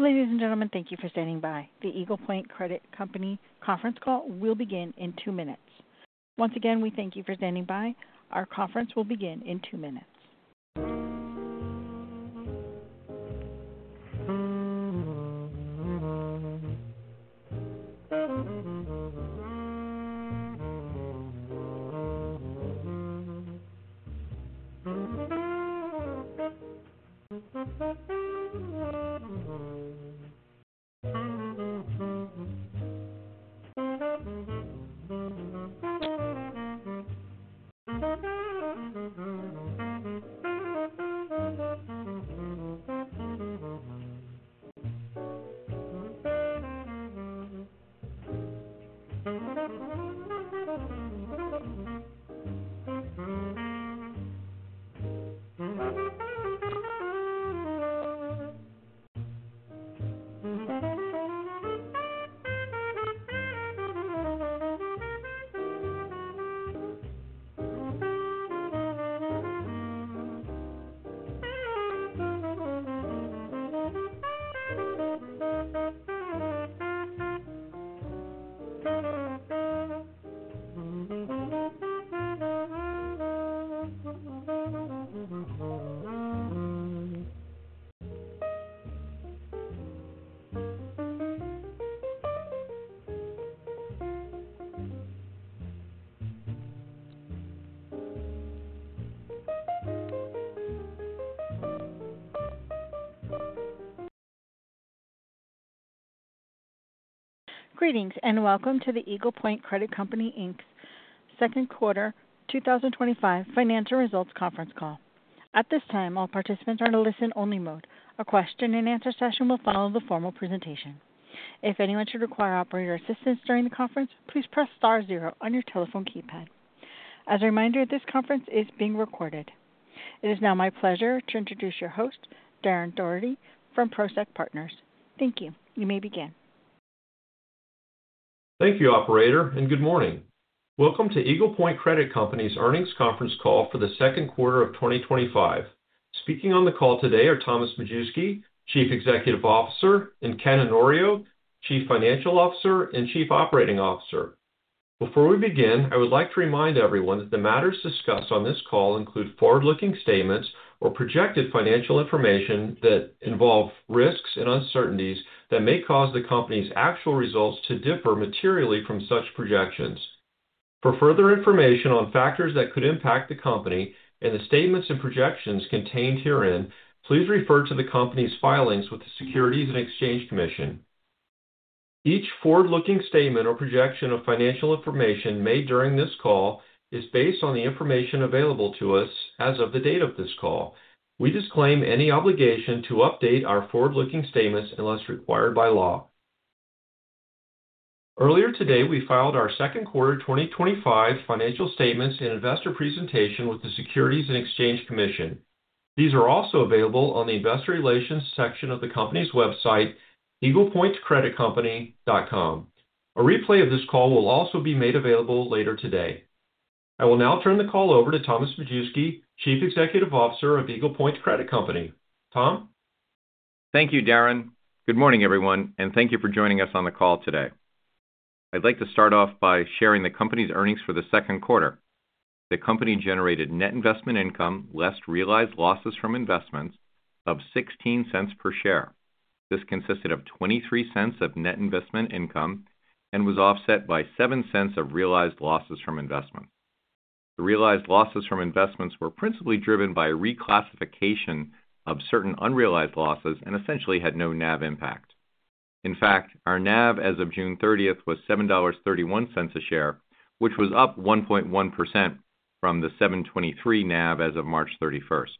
Ladies and gentlemen, thank you for standing by. The Eagle Point Credit Company conference call will begin in two minutes. Once again, we thank you for standing by. Our conference will begin in two minutes. Greetings and welcome to the Eagle Point Credit Company Inc.'s Second Quarter 2025 Financial Results Conference Call. At this time, all participants are in a listen-only mode. A question and answer session will follow the formal presentation. If anyone should require operator assistance during the conference, please press star zero on your telephone keypad. As a reminder, this conference is being recorded. It is now my pleasure to introduce your host, Darren Daugherty from Prosek Partners. Thank you. You may begin. Thank you, Operator, and good morning. Welcome to Eagle Point Credit Company's earnings conference call for the second quarter of 2025. Speaking on the call today are Thomas Majewski, Chief Executive Officer, and Ken Onorio, Chief Financial Officer and Chief Operating Officer. Before we begin, I would like to remind everyone that the matters discussed on this call include forward-looking statements or projected financial information that involve risks and uncertainties that may cause the company's actual results to differ materially from such projections. For further information on factors that could impact the company and the statements and projections contained herein, please refer to the company's filings with the Securities and Exchange Commission. Each forward-looking statement or projection of financial information made during this call is based on the information available to us as of the date of this call. We disclaim any obligation to update our forward-looking statements unless required by law. Earlier today, we filed our second quarter 2025 financial statements and investor presentation with the Securities and Exchange Commission. These are also available on the Investor Relations section of the company's website, eaglepointcreditcompany.com. A replay of this call will also be made available later today. I will now turn the call over to Thomas Majewski, Chief Executive Officer of Eagle Point Credit Company. Tom? Thank you, Darren. Good morning, everyone, and thank you for joining us on the call today. I'd like to start off by sharing the company's earnings for the second quarter. The company generated net investment income less realized losses from investments of $0.16 per share. This consisted of $0.23 of net investment income and was offset by $0.07 of realized losses from investments. The realized losses from investments were principally driven by a reclassification of certain unrealized losses and essentially had no NAV impact. In fact, our NAV as of June 30th was $7.31 a share, which was up 1.1% from the $7.23 NAV as of March 31st.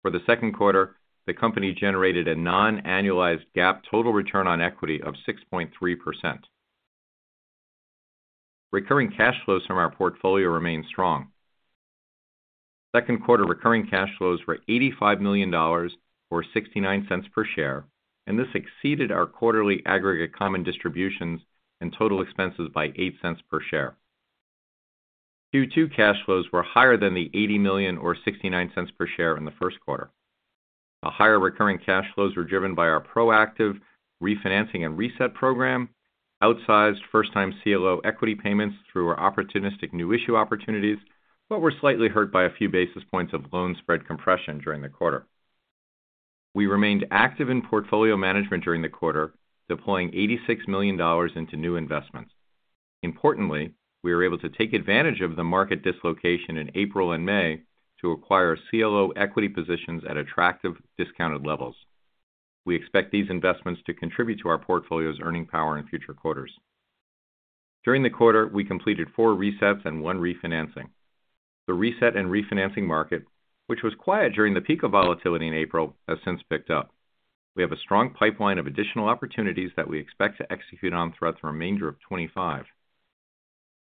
For the second quarter, the company generated a non-annualized GAAP total return on equity of 6.3%. Recurring cash flows from our portfolio remain strong. Second quarter recurring cash flows were $85 million or $0.69 per share, and this exceeded our quarterly aggregate common distributions and total expenses by $0.08 per share. Q2 cash flows were higher than the $80 million or $0.69 per share in the first quarter. The higher recurring cash flows were driven by our proactive refinancing and reset program, outsized first-time CLO equity payments through our opportunistic new issue opportunities, but were slightly hurt by a few basis points of loan spread compression during the quarter. We remained active in portfolio management during the quarter, deploying $86 million into new investments. Importantly, we were able to take advantage of the market dislocation in April and May to acquire CLO equity positions at attractive discounted levels. We expect these investments to contribute to our portfolio's earning power in future quarters. During the quarter, we completed four resets and one refinancing. The reset and refinancing market, which was quiet during the peak of volatility in April, has since picked up. We have a strong pipeline of additional opportunities that we expect to execute on throughout the remainder of 2025.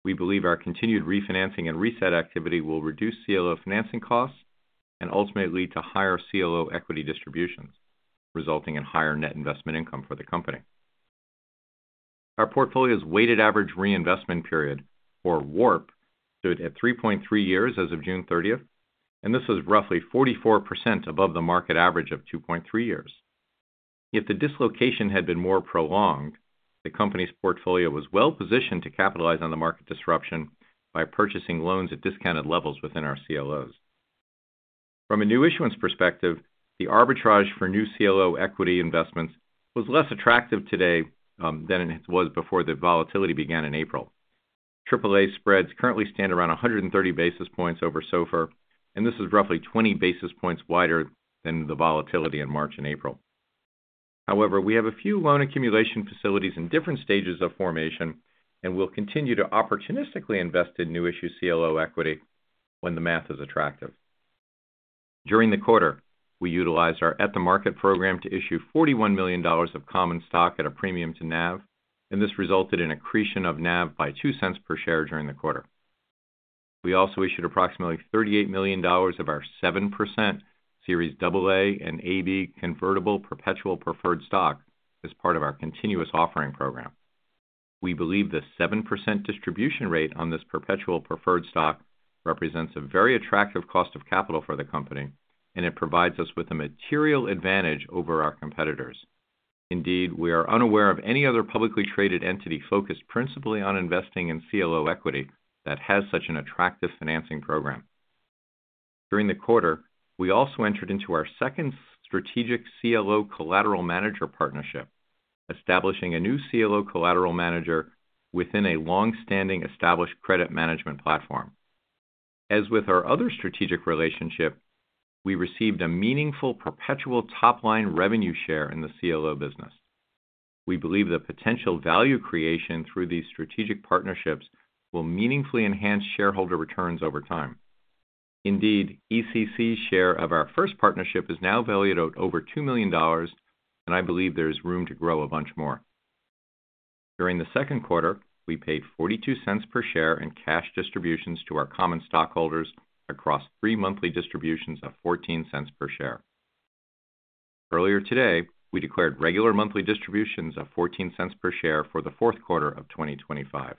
We believe our continued refinancing and reset activity will reduce CLO financing costs and ultimately lead to higher CLO equity distributions, resulting in higher net investment income for the company. Our portfolio's weighted average reinvestment period, or WARP, stood at 3.3 years as of June 30th, and this was roughly 44% above the market average of 2.3 years. If the dislocation had been more prolonged, the company's portfolio was well positioned to capitalize on the market disruption by purchasing loans at discounted levels within our CLOs. From a new issuance perspective, the arbitrage for new CLO equity investments was less attractive today than it was before the volatility began in April. AAA spreads currently stand around 130 basis points over SOFR, and this is roughly 20 basis points wider than the volatility in March and April. However, we have a few loan accumulation facilities in different stages of formation, and we'll continue to opportunistically invest in new issue CLO equity when the math is attractive. During the quarter, we utilized our at-the-market program to issue $41 million of common stock at a premium to NAV, and this resulted in accretion of NAV by $0.02 per share during the quarter. We also issued approximately $38 million of our 7% Series AA and AB convertible perpetual preferred stock as part of our continuous public offering program. We believe the 7% distribution rate on this perpetual preferred stock represents a very attractive cost of capital for the company, and it provides us with a material advantage over our competitors. Indeed, we are unaware of any other publicly traded entity focused principally on investing in CLO equity that has such an attractive financing program. During the quarter, we also entered into our second strategic CLO collateral manager partnership, establishing a new CLO collateral manager within a longstanding established credit management platform. As with our other strategic relationship, we received a meaningful perpetual top-line revenue share in the CLO business. We believe the potential value creation through these strategic partnerships will meaningfully enhance shareholder returns over time. Indeed, ECC's share of our first partnership is now valued at over $2 million, and I believe there is room to grow a bunch more. During the second quarter, we paid $0.42 per share in cash distributions to our common stockholders across three monthly distributions of $0.14 per share. Earlier today, we declared regular monthly distributions of $0.14 per share for the fourth quarter of 2025.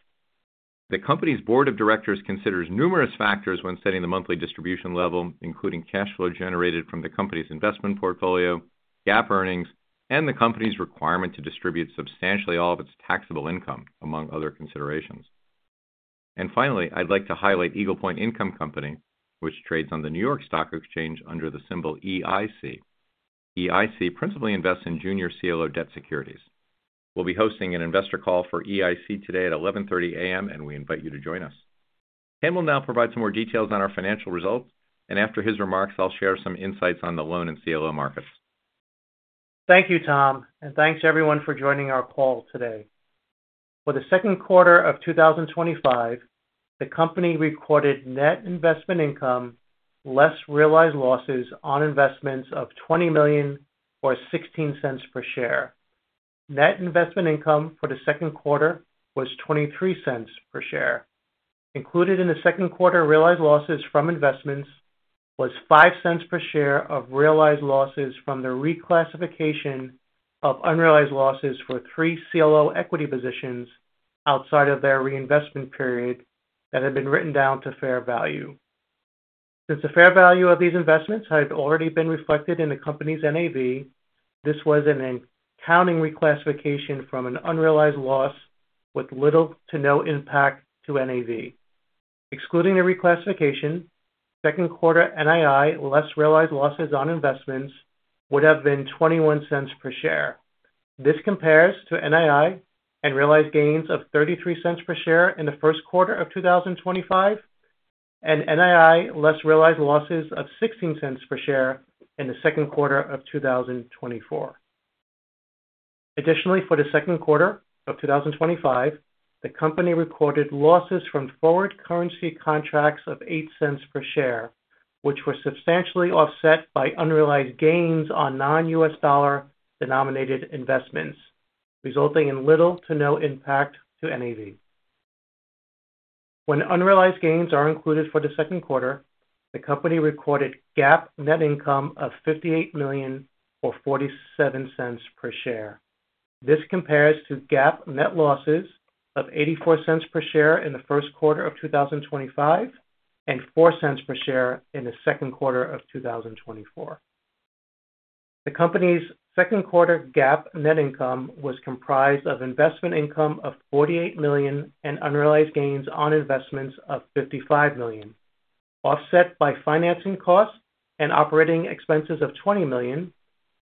The company's board of directors considers numerous factors when setting the monthly distribution level, including cash flow generated from the company's investment portfolio, GAAP earnings, and the company's requirement to distribute substantially all of its taxable income, among other considerations. Finally, I'd like to highlight Eagle Point Income Company, which trades on the New York Stock Exchange under the symbol EIC. EIC principally invests in junior CLO debt securities. We'll be hosting an investor call for EIC today at 11:30 A.M., and we invite you to join us. Ken will now provide some more details on our financial results, and after his remarks, I'll share some insights on the loan and CLO markets. Thank you, Tom, and thanks everyone for joining our call today. For the second quarter of 2025, the company recorded net investment income, less realized losses on investments of $20 million or $0.16 per share. Net investment income for the second quarter was $0.23 per share. Included in the second quarter realized losses from investments was $0.05 per share of realized losses from the reclassification of unrealized losses for three CLO equity positions outside of their reinvestment period that had been written down to fair value. Since the fair value of these investments had already been reflected in the company's NAV, this was an accounting reclassification from an unrealized loss with little to no impact to NAV. Excluding the reclassification, the second quarter NII, less realized losses on investments, would have been $0.21 per share. This compares to NII and realized gains of $0.33 per share in the first quarter of 2025 and NII, less realized losses of $0.16 per share in the second quarter of 2024. Additionally, for the second quarter of 2025, the company recorded losses from forward currency contracts of $0.08 per share, which were substantially offset by unrealized gains on non-U.S. dollar denominated investments, resulting in little to no impact to NAV. When unrealized gains are included for the second quarter, the company recorded GAAP net income of $58 million or $0.47 per share. This compares to GAAP net losses of $0.84 per share in the first quarter of 2025 and $0.04 per share in the second quarter of 2024. The company's second quarter GAAP net income was comprised of investment income of $48 million and unrealized gains on investments of $55 million, offset by financing costs and operating expenses of $20 million,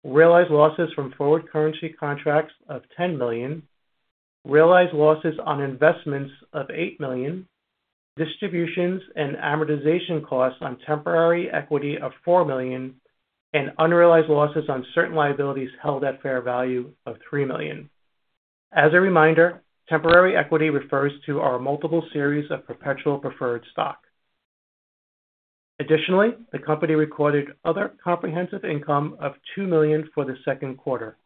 realized losses from forward currency contracts of $10 million, realized losses on investments of $8 million, distributions and amortization costs on temporary equity of $4 million, and unrealized losses on certain liabilities held at fair value of $3 million. As a reminder, temporary equity refers to our multiple series of perpetual preferred stock. Additionally, the company recorded other comprehensive income of $2 million for the second quarter.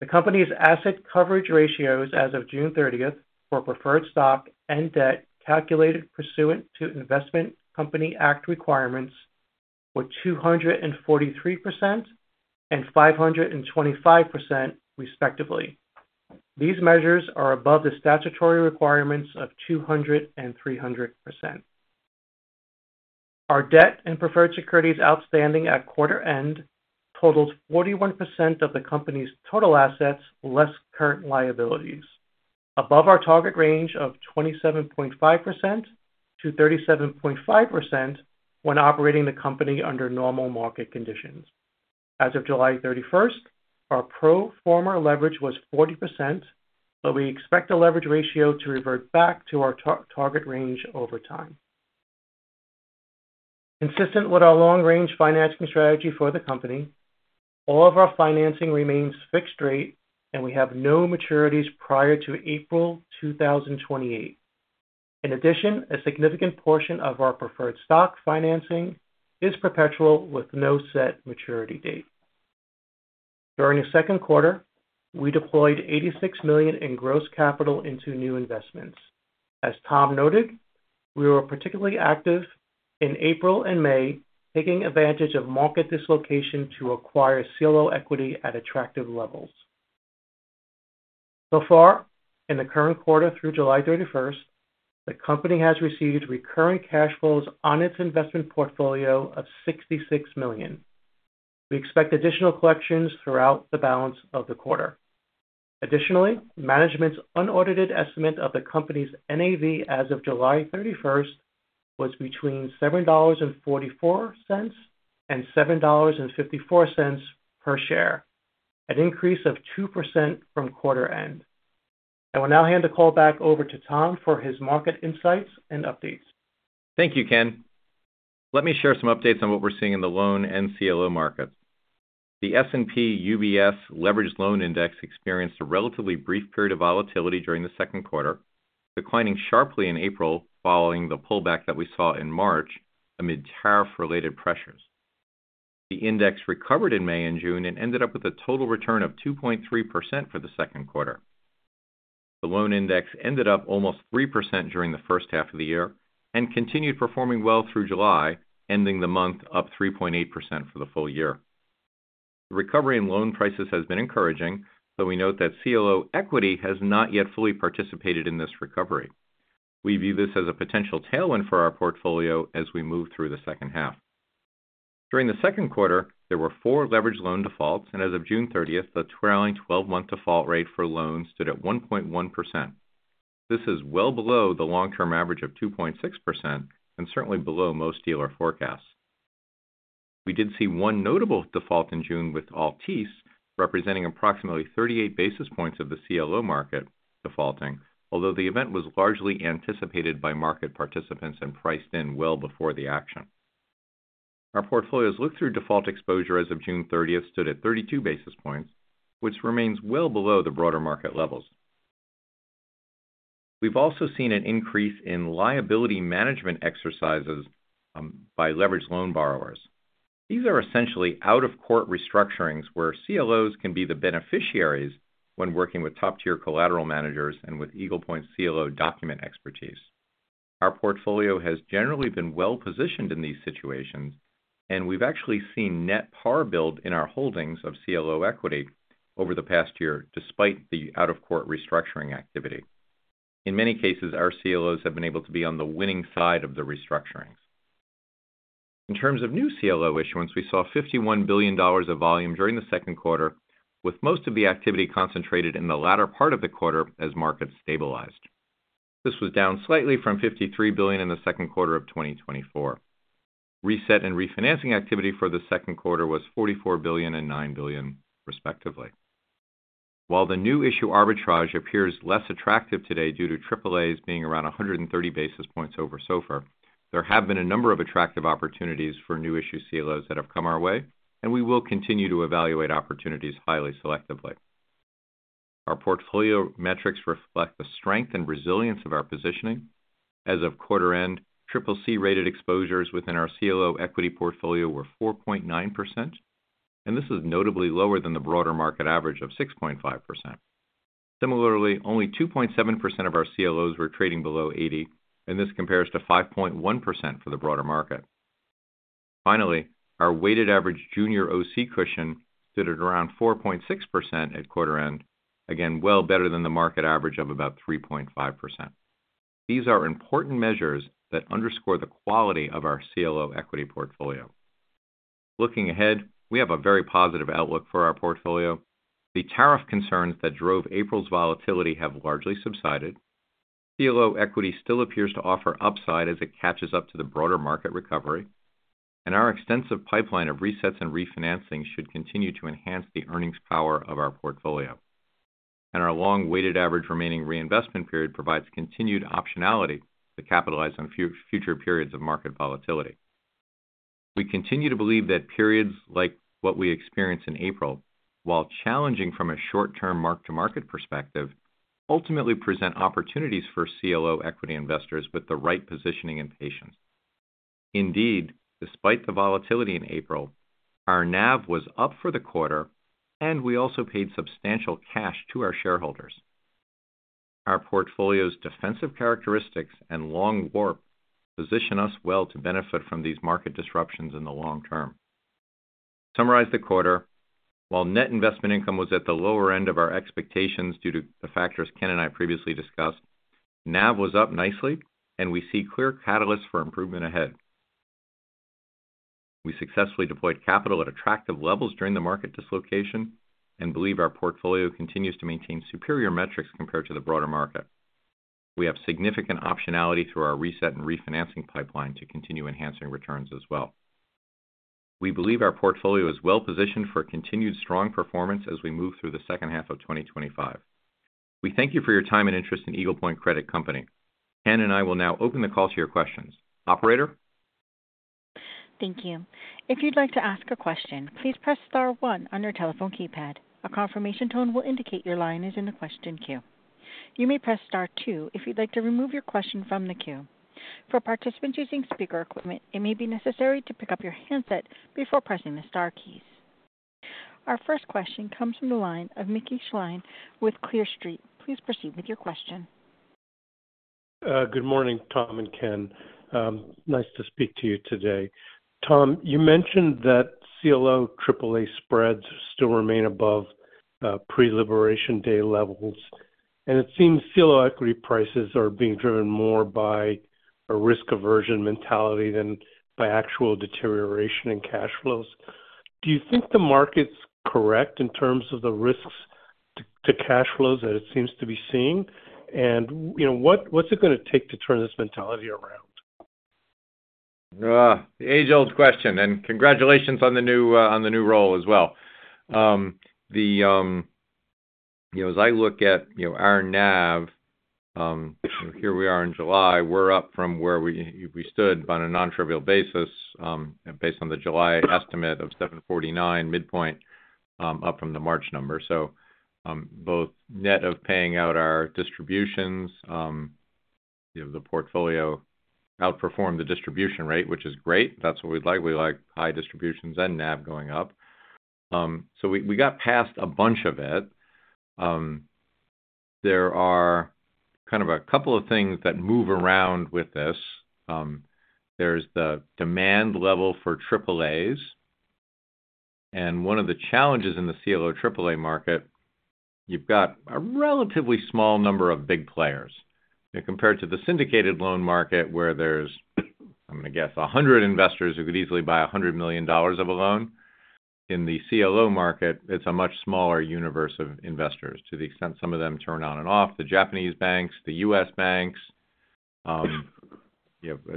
The company's asset coverage ratios as of June 30th for preferred stock and debt calculated pursuant to Investment Company Act requirements were 243% and 525% respectively. These measures are above the statutory requirements of 200% and 300%. Our debt and preferred securities outstanding at quarter end totaled 41% of the company's total assets less current liabilities, above our target range of 27.5%-37.5% when operating the company under normal market conditions. As of July 31, our pro forma leverage was 40%, but we expect the leverage ratio to revert back to our target range over time. Consistent with our long-range financing strategy for the company, all of our financing remains fixed rate, and we have no maturities prior to April 2028. In addition, a significant portion of our preferred stock financing is perpetual with no set maturity date. During the second quarter, we deployed $86 million in gross capital into new investments. As Tom noted, we were particularly active in April and May, taking advantage of market dislocations to acquire CLO equity at attractive levels. In the current quarter through July 31, the company has received recurring cash flows on its investment portfolio of $66 million. We expect additional collections throughout the balance of the quarter. Additionally, management's unaudited estimate of the company's NAV as of July 31 was between $7.44 and $7.54 per share, an increase of 2% from quarter end. I will now hand the call back over to Tom for his market insights and updates. Thank you, Ken. Let me share some updates on what we're seeing in the loan and CLO markets. The S&P/LSTA Leveraged Loan Index experienced a relatively brief period of volatility during the second quarter, declining sharply in April following the pullback that we saw in March amid tariff-related pressures. The index recovered in May and June and ended up with a total return of 2.3% for the second quarter. The loan index ended up almost 3% during the first half of the year and continued performing well through July, ending the month up 3.8% for the full year. The recovery in loan prices has been encouraging, though we note that CLO equity has not yet fully participated in this recovery. We view this as a potential tailwind for our portfolio as we move through the second half. During the second quarter, there were four leveraged loan defaults, and as of June 30, the trailing 12-month default rate for loans stood at 1.1%. This is well below the long-term average of 2.6% and certainly below most dealer forecasts. We did see one notable default in June with Altice, representing approximately 38 basis points of the CLO market defaulting, although the event was largely anticipated by market participants and priced in well before the action. Our portfolios' look-through default exposure as of June 30 stood at 32 basis points, which remains well below the broader market levels. We've also seen an increase in liability management exercises by leveraged loan borrowers. These are essentially out-of-court restructurings where CLOs can be the beneficiaries when working with top-tier collateral managers and with Eagle Point's CLO document expertise. Our portfolio has generally been well positioned in these situations, and we've actually seen net par build in our holdings of CLO equity over the past year, despite the out-of-court restructuring activity. In many cases, our CLOs have been able to be on the winning side of the restructurings. In terms of new CLO issuance, we saw $51 billion of volume during the second quarter, with most of the activity concentrated in the latter part of the quarter as markets stabilized. This was down slightly from $53 billion in the second quarter of 2024. Reset and refinancing activity for the second quarter was $44 billion and $9 billion, respectively. While the new issue arbitrage appears less attractive today due to AAAs being around 130 basis points over SOFR, there have been a number of attractive opportunities for new issue CLOs that have come our way, and we will continue to evaluate opportunities highly selectively. Our portfolio metrics reflect the strength and resilience of our positioning. As of quarter end, CCC exposure within our CLO equity portfolio was 4.9%, and this is notably lower than the broader market average of 6.5%. Similarly, only 2.7% of our CLOs were trading below $80, and this compares to 5.1% for the broader market. Finally, our weighted average junior OC cushion stood at around 4.6% at quarter end, again well better than the market average of about 3.5%. These are important measures that underscore the quality of our CLO equity portfolio. Looking ahead, we have a very positive outlook for our portfolio. The tariff concerns that drove April's volatility have largely subsided. CLO equity still appears to offer upside as it catches up to the broader market recovery, and our extensive pipeline of resets and re-financings should continue to enhance the earnings power of our portfolio. Our long weighted average remaining reinvestment period provides continued optionality to capitalize on future periods of market volatility. We continue to believe that periods like what we experienced in April, while challenging from a short-term mark-to-market perspective, ultimately present opportunities for CLO equity investors with the right positioning and patience. Indeed, despite the volatility in April, our NAV was up for the quarter, and we also paid substantial cash to our shareholders. Our portfolio's defensive characteristics and long WARP position us well to benefit from these market disruptions in the long term. To summarize the quarter, while net investment income was at the lower end of our expectations due to the factors Ken and I previously discussed, NAV was up nicely, and we see clear catalysts for improvement ahead. We successfully deployed capital at attractive levels during the market dislocation and believe our portfolio continues to maintain superior metrics compared to the broader market. We have significant optionality through our reset and refinancing pipeline to continue enhancing returns as well. We believe our portfolio is well positioned for continued strong performance as we move through the second half of 2025. We thank you for your time and interest in Eagle Point Credit Company. Ken and I will now open the call to your questions. Operator? Thank you. If you'd like to ask a question, please press star one on your telephone keypad. A confirmation tone will indicate your line is in the question queue. You may press star two if you'd like to remove your question from the queue. For participants using speaker equipment, it may be necessary to pick up your handset before pressing the star keys. Our first question comes from the line of Mickey Schleien with Clear Street. Please proceed with your question. Good morning, Tom and Ken. Nice to speak to you today. Tom, you mentioned that CLO AAA spreads still remain above pre-liberation day levels, and it seems CLO equity prices are being driven more by a risk aversion mentality than by actual deterioration in cash flows. Do you think the market's correct in terms of the risks to cash flows that it seems to be seeing? What's it going to take to turn this mentality around? Age-old question, and congratulations on the new role as well. As I look at our NAV, here we are in July, we're up from where we stood on a non-trivial basis based on the July estimate of $7.49, midpoint up from the March number. Both net of paying out our distributions, the portfolio outperformed the distribution rate, which is great. That's what we'd like. We like high distributions and NAV going up. We got past a bunch of it. There are kind of a couple of things that move around with this. There's the demand level for AAAs, and one of the challenges in the CLO AAA market, you've got a relatively small number of big players compared to the syndicated loan market where there's, I'm going to guess, 100 investors who could easily buy $100 million of a loan. In the CLO market, it's a much smaller universe of investors to the extent some of them turn on and off. The Japanese banks, the U.S. banks,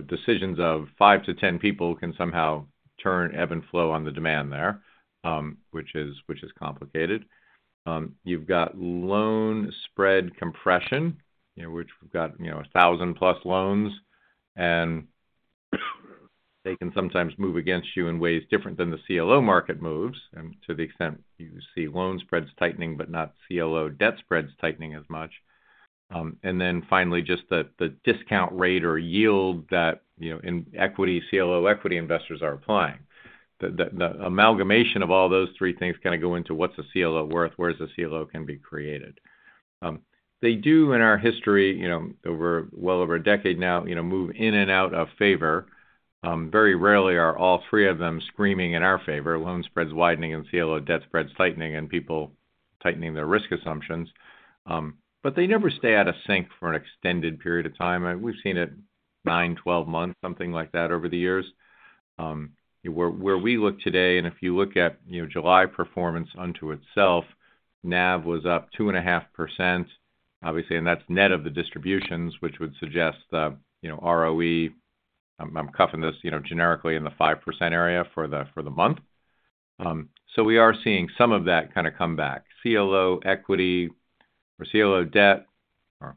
decisions of five to ten people can somehow turn ebb and flow on the demand there, which is complicated. You've got loan spread compression, which we've got a thousand plus loans, and they can sometimes move against you in ways different than the CLO market moves. To the extent you see loan spreads tightening, but not CLO debt spreads tightening as much. Finally, just the discount rate or yield that CLO equity investors are applying. The amalgamation of all those three things kind of go into what's a CLO worth, where a CLO can be created. They do, in our history, over well over a decade now, move in and out of favor. Very rarely are all three of them screaming in our favor, loan spreads widening and CLO debt spreads tightening and people tightening their risk assumptions. They never stay out of sync for an extended period of time. We've seen it nine, twelve months, something like that over the years. Where we look today, and if you look at July performance unto itself, NAV was up 2.5%, obviously, and that's net of the distributions, which would suggest the ROE. I'm cuffing this generically in the 5% area for the month. We are seeing some of that kind of come back. CLO equity or CLO debt or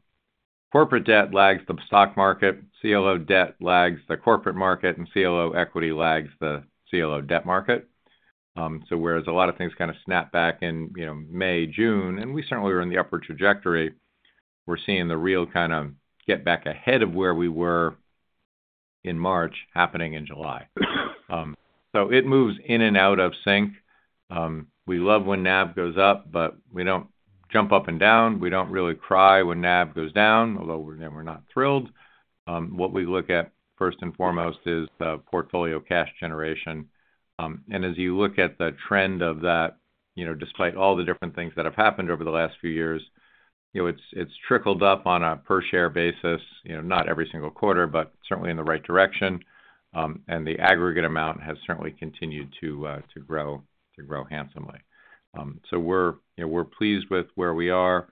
corporate debt lags the stock market. CLO debt lags the corporate market, and CLO equity lags the CLO debt market. Whereas a lot of things kind of snap back in May, June, and we certainly were in the upper trajectory, we're seeing the real kind of get back ahead of where we were in March happening in July. It moves in and out of sync. We love when NAV goes up, but we don't jump up and down. We don't really cry when NAV goes down, although we're not thrilled. What we look at first and foremost is the portfolio cash generation. As you look at the trend of that, despite all the different things that have happened over the last few years, it's trickled up on a per share basis, not every single quarter, but certainly in the right direction. The aggregate amount has certainly continued to grow handsomely. We're pleased with where we are.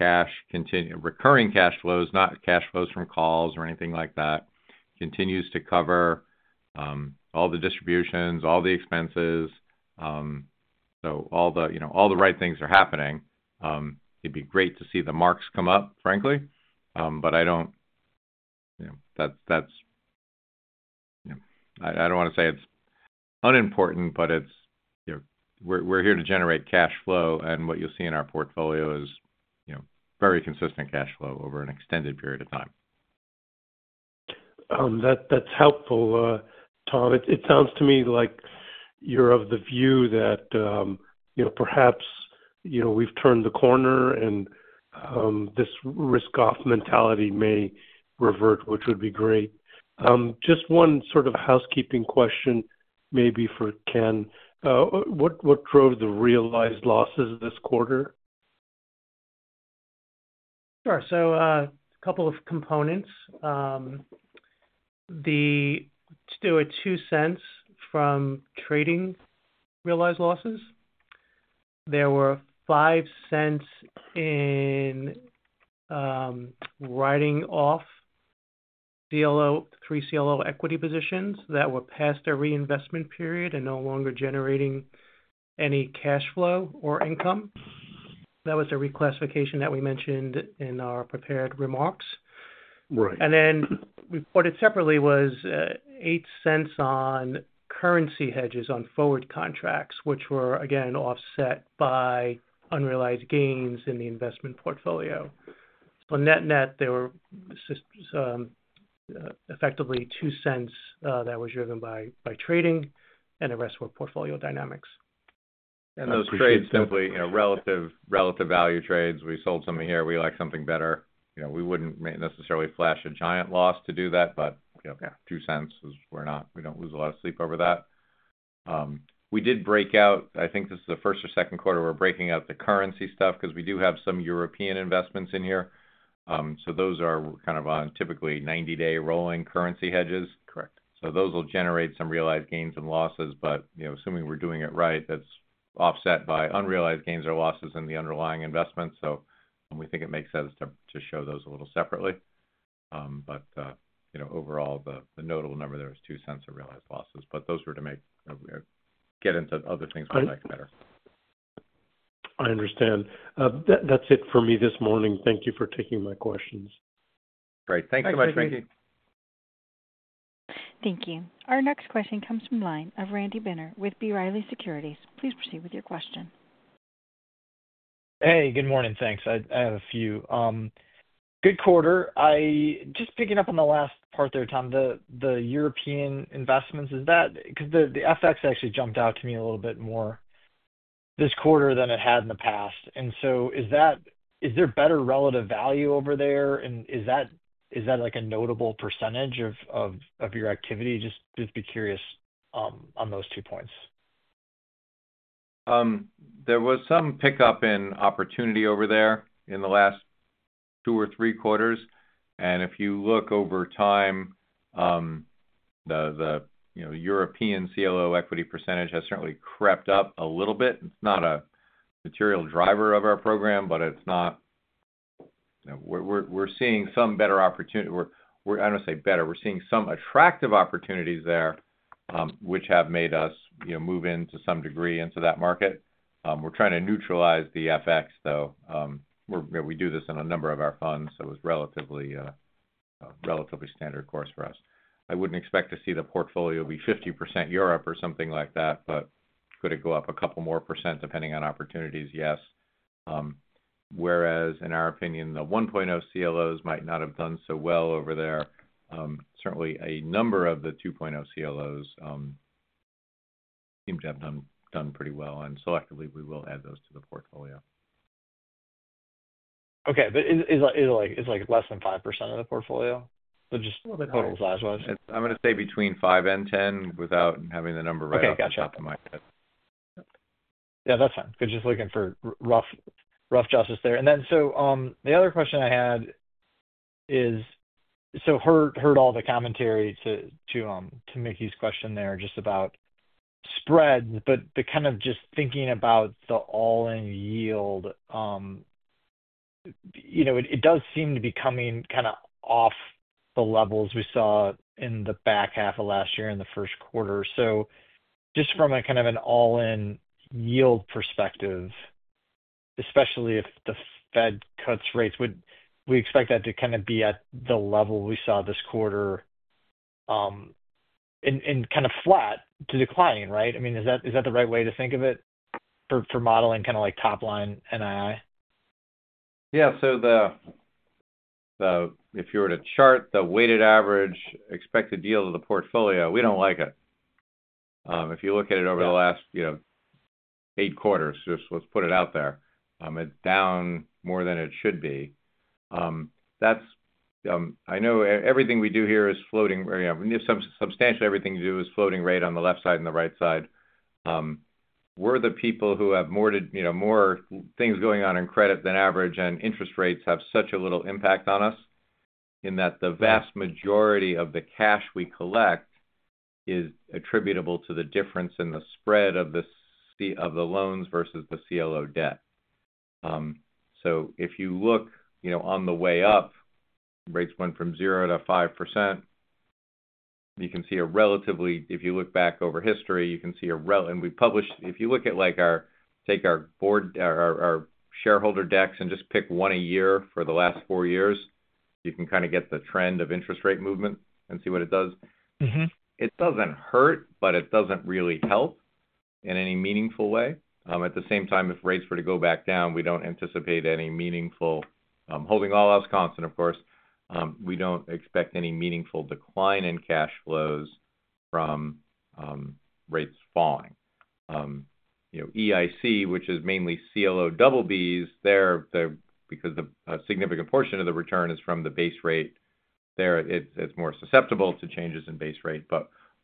Recurring cash flows, not cash flows from calls or anything like that, continues to cover all the distributions, all the expenses. All the right things are happening. It'd be great to see the marks come up, frankly. I don't want to say it's unimportant, but we're here to generate cash flow, and what you'll see in our portfolio is very consistent cash flow over an extended period of time. That's helpful, Tom. It sounds to me like you're of the view that perhaps we've turned the corner and this risk-off mentality may revert, which would be great. Just one sort of housekeeping question, maybe for Ken. What drove the realized losses this quarter? Sure. A couple of components. The $0.02 from trading realized losses. There were $0.05 in writing off three CLO equity positions that were past their reinvestment period and no longer generating any cash flow or income. That was the reclassification that we mentioned in our prepared remarks. Right. Reported separately was $0.08 on currency hedges on forward contracts, which were again offset by unrealized gains in the investment portfolio. Net-net, there were effectively $0.02 that was driven by trading and the rest were portfolio dynamics. Those trades simply are relative value trades. We sold some of here. We like something better. We wouldn't necessarily flash a giant loss to do that, but $0.02 is, we're not, we don't lose a lot of sleep over that. We did break out, I think this is the first or second quarter we're breaking out the currency stuff because we do have some European investments in here. Those are typically on 90-day rolling currency hedges. Correct. Those will generate some realized gains and losses, but assuming we're doing it right, that's offset by unrealized gains or losses in the underlying investments. We think it makes sense to show those a little separately. Overall, the notable number there was $0.02 of realized losses, but those were to get into other things we like better. I understand. That's it for me this morning. Thank you for taking my questions. Great. Thank you, Mickey. Thanks Mickey. Thank you. Our next question comes from the line of Randy Binner with B. Riley Securities. Please proceed with your question. Hey, good morning. Thanks. I have a few. Good quarter. Just picking up on the last part there, Tom, the European investments, is that because the FX actually jumped out to me a little bit more this quarter than it had in the past? Is there better relative value over there? Is that a notable percentage of your activity? Just be curious on those two points. There was some pickup in opportunity over there in the last two or three quarters. If you look over time, the European CLO equity percentage has certainly crept up a little bit. It's not a material driver of our program, but we're seeing some attractive opportunities there, which have made us move in to some degree into that market. We're trying to neutralize the FX, though. We do this in a number of our funds, so it was a relatively standard course for us. I wouldn't expect to see the portfolio be 50% Europe or something like that, but could it go up a couple more % depending on opportunities? Yes. Whereas in our opinion, the 1.0 CLOs might not have done so well over there. Certainly, a number of the 2.0 CLOs seem to have done pretty well. Selectively, we will add those to the portfolio. Okay. Is it like less than 5% of the portfolio, just total size-wise? I'm going to say between 5 and 10 without having the number right off the top of my head. Yeah, that's fine. Just looking for rough justice there. The other question I had is, I heard all the commentary to Mickey's question there just about spreads, but kind of just thinking about the all-in yield, you know it does seem to be coming kind of off the levels we saw in the back half of last year in the first quarter. Just from a kind of an all-in yield perspective, especially if the Fed cuts rates, would we expect that to kind of be at the level we saw this quarter and kind of flat to declining, right? I mean, is that the right way to think of it for modeling kind of like top-line NII? Yeah. If you were to chart the weighted average expected yield of the portfolio, we don't like it. If you look at it over the last eight quarters, just let's put it out there, it's down more than it should be. I know everything we do here is floating. Substantially everything you do is floating rate on the left side and the right side. We're the people who have more things going on in credit than average, and interest rates have such a little impact on us in that the vast majority of the cash we collect is attributable to the difference in the spread of the loans versus the CLO debt. If you look on the way up, rates went from 0% to 5%, you can see a relatively, if you look back over history, you can see a relative, and we published, if you look at like our, take our shareholder decks and just pick one a year for the last four years, you can kind of get the trend of interest rate movement and see what it does. It doesn't hurt, but it doesn't really help in any meaningful way. At the same time, if rates were to go back down, we don't anticipate any meaningful, holding all else constant, of course, we don't expect any meaningful decline in cash flows from rates falling. EIC, which is mainly CLO double Bs, because a significant portion of the return is from the base rate, it's more susceptible to changes in base rate.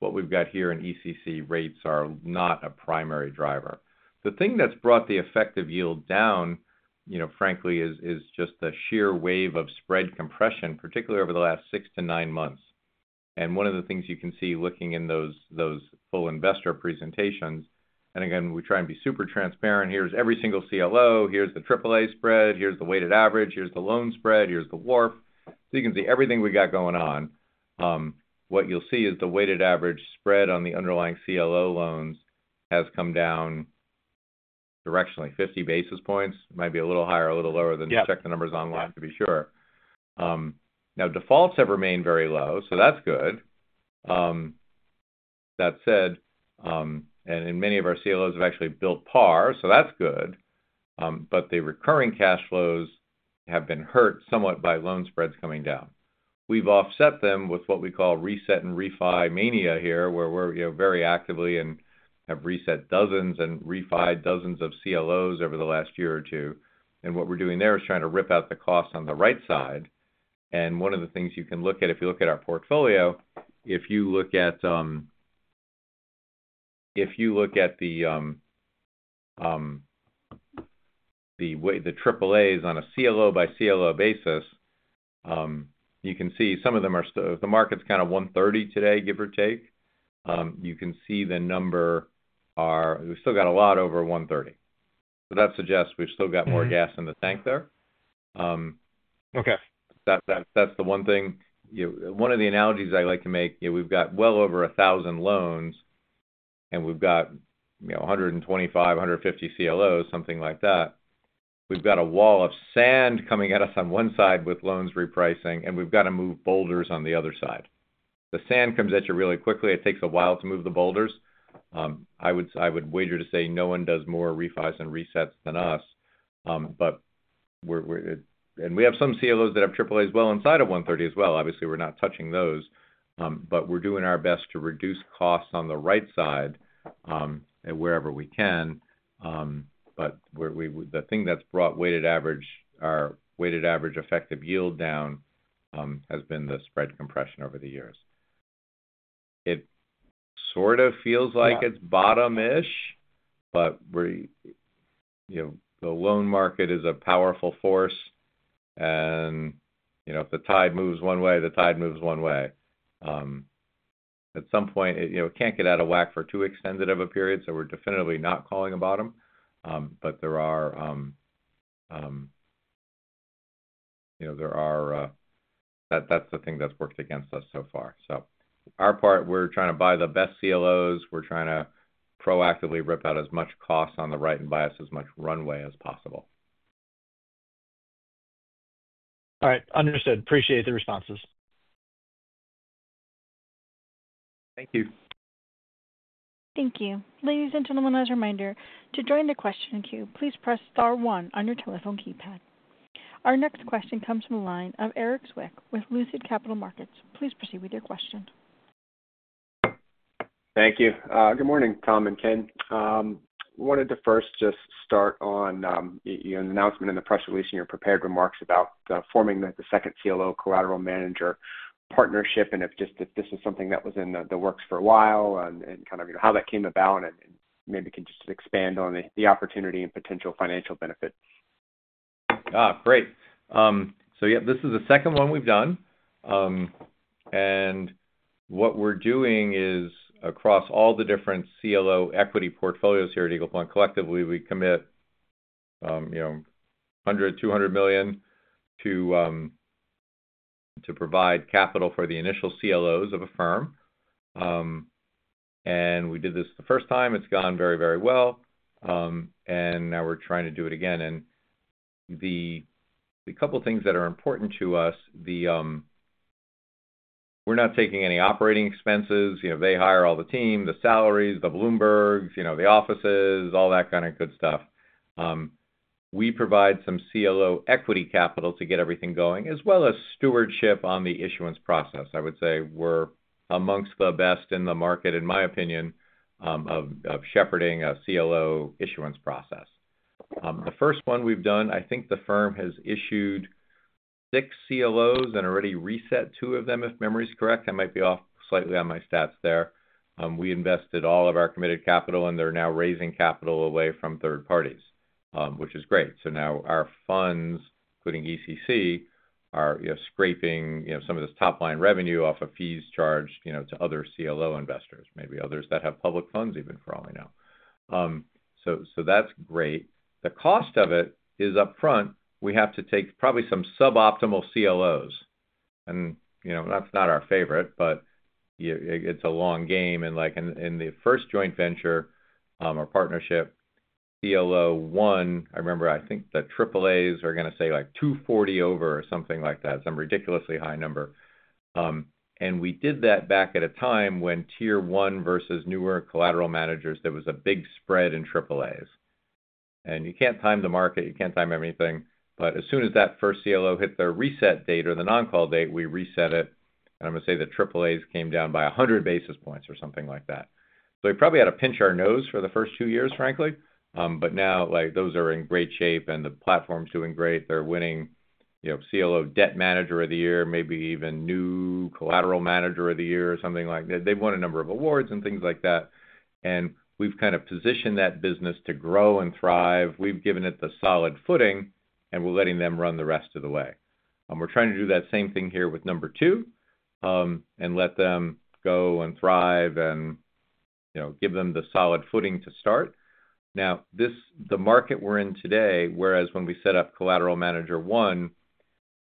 What we've got here in ECC, rates are not a primary driver. The thing that's brought the effective yield down, frankly, is just the sheer wave of spread compression, particularly over the last six to nine months. One of the things you can see looking in those full investor presentations, and again, we try and be super transparent. Here's every single CLO, here's the AAA spread, here's the weighted average, here's the loan spread, here's the WARP. You can see everything we got going on. What you'll see is the weighted average spread on the underlying CLO loans has come down directionally 50 basis points. It might be a little higher or a little lower, then you check the numbers online to be sure. Defaults have remained very low, so that's good. That said, many of our CLOs have actually built par, so that's good. The recurring cash flows have been hurt somewhat by loan spreads coming down. We've offset them with what we call reset and refi mania here, where we're very actively and have reset dozens and refi dozens of CLOs over the last year or two. What we're doing there is trying to rip out the cost on the right side. One of the things you can look at, if you look at our portfolio, if you look at the AAAs on a CLO by CLO basis, you can see some of them are still, if the market's kind of 130 today, give or take, you can see the number, we've still got a lot over 130. That suggests we've still got more gas in the tank there. Okay. That's the one thing. One of the analogies I like to make, we've got well over a thousand loans and we've got 125, 150 CLOs, something like that. We've got a wall of sand coming at us on one side with loans repricing, and we've got to move boulders on the other side. The sand comes at you really quickly. It takes a while to move the boulders. I would wager to say no one does more refis and resets than us. We have some CLOs that have AAAs well inside of 130 as well. Obviously, we're not touching those, but we're doing our best to reduce costs on the right side wherever we can. The thing that's brought our weighted average effective yield down has been the spread compression over the years. It sort of feels like it's bottom-ish, but the loan market is a powerful force. If the tide moves one way, the tide moves one way. At some point, it can't get out of whack for too extended of a period. We're definitively not calling a bottom. That's the thing that's worked against us so far. Our part, we're trying to buy the best CLOs. We're trying to proactively rip out as much cost on the right and buy us as much runway as possible. All right, understood. Appreciate the responses. Thank you. Thank you. Ladies and gentlemen, as a reminder, to join the question queue, please press star one on your telephone keypad. Our next question comes from the line of Erik Zwick with Lucid Capital Markets. Please proceed with your question. Thank you. Good morning, Tom and Ken. I wanted to first just start on an announcement in the press release in your prepared remarks about forming the second CLO collateral manager partnership and if this is something that was in the works for a while and kind of how that came about and maybe can just expand on the opportunity and potential financial benefit. Great. This is the second one we've done. What we're doing is across all the different CLO equity portfolios here at Eagle Point, collectively, we commit $100 million, $200 million to provide capital for the initial CLOs of a firm. We did this the first time. It's gone very, very well. Now we're trying to do it again. A couple of things that are important to us: we're not taking any operating expenses. They hire all the team, the salaries, the Bloombergs, the offices, all that kind of good stuff. We provide some CLO equity capital to get everything going, as well as stewardship on the issuance process. I would say we're amongst the best in the market, in my opinion, of shepherding a CLO issuance process. The first one we've done, I think the firm has issued six CLOs and already reset two of them, if memory's correct. I might be off slightly on my stats there. We invested all of our committed capital, and they're now raising capital away from third parties, which is great. Now our funds, including Eagle Point Credit Company, are scraping some of this top-line revenue off of fees charged to other CLO investors, maybe others that have public funds even for all I know. That's great. The cost of it is upfront. We have to take probably some suboptimal CLOs. That's not our favorite, but it's a long game. Like in the first joint venture or partnership, CLO one, I remember I think the AAAs are going to say like $240 over or something like that, some ridiculously high number. We did that back at a time when tier one versus newer collateral managers, there was a big spread in AAAs. You can't time the market, you can't time everything, but as soon as that first CLO hit the reset date or the non-call date, we reset it. I'm going to say the AAAs came down by 100 basis points or something like that. We probably had to pinch our nose for the first two years, frankly. Now those are in great shape and the platform's doing great. They're winning CLO debt manager of the year, maybe even new collateral manager of the year or something like that. They've won a number of awards and things like that. We've kind of positioned that business to grow and thrive. We've given it the solid footing and we're letting them run the rest of the way. We're trying to do that same thing here with number two and let them go and thrive and give them the solid footing to start. Now, the market we're in today, whereas when we set up collateral manager one,